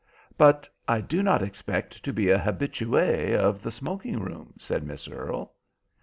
"But I do not expert to be a habitué of the smoking room," said Miss Earle.